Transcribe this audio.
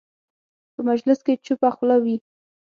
په مجلس کې چوپه خوله وي.